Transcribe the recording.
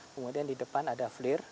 kemudian di depan ada